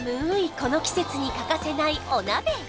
この季節に欠かせないお鍋